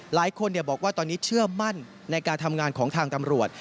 หลายคนบอกว่าตอนนี้เชื่อมั่นในการทำงานของทางตำรวจ